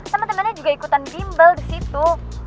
temen temennya juga ikutan bimbel di situ